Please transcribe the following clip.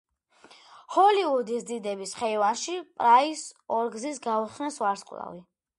ჰოლივუდის დიდების ხეივანში პრაისს ორგზის გაუხსნეს ვარსკვლავი.